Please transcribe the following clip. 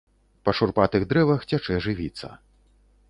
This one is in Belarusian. Па шурпатых дрэвах цячэ жывіца.